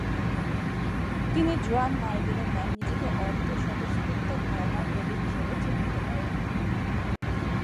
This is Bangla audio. তিনি জোয়ান মার্গেলের ন্যায় নিজেকে অর্ধ-স্বতস্ফুর্তঘরাণার কবি হিসেবে চিহ্নিত করেন।